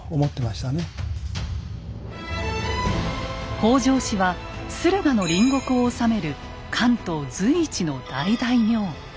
北条氏は駿河の隣国を治める関東随一の大大名。